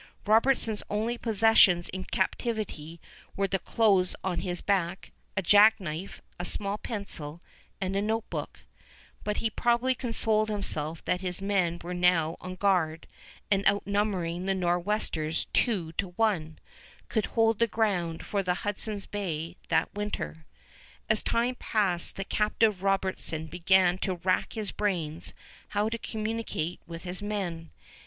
Robertson's only possessions in captivity were the clothes on his back, a jackknife, a small pencil, and a notebook; but he probably consoled himself that his men were now on guard, and, outnumbering the Nor'westers two to one, could hold the ground for the Hudson's Bay that winter. As time passed the captive Robertson began to wrack his brains how to communicate with his men.